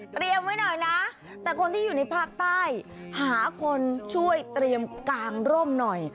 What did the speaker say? ไว้หน่อยนะแต่คนที่อยู่ในภาคใต้หาคนช่วยเตรียมกางร่มหน่อย